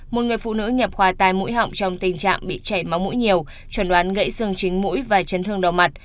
một người phụ nữ nhập khoa tai mũi họng trong tình trạng bị chảy máu mũi nhiều chuẩn đoán gãy xương chính mũi và chấn thương đầu mặt